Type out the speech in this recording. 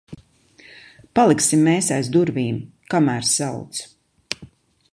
Paliksim mēs aiz durvīm, kamēr sauc.